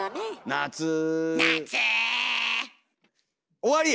終わりや！